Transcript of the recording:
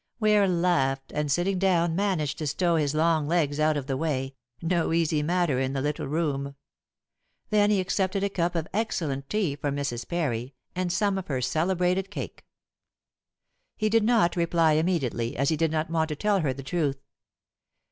Ware laughed, and sitting down managed to stow his long legs out of the way no easy matter in the little room. Then he accepted a cup of excellent tea from Mrs. Parry and some of her celebrated cake. He did not reply immediately, as he did not want to tell her the truth.